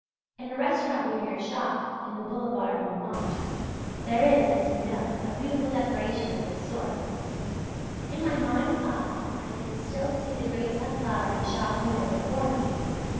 In a restaurant near your shop (in the Boulevard Montmartre), there is, as you know, a beautiful decoration of this sort. In my mind's eye I can still see the great sunflower in the shop window before me.